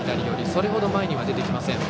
それほど前には出てきません。